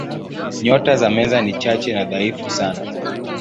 Nyota za Meza ni chache na dhaifu sana.